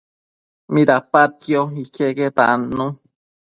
Midapadquio iqueque tannu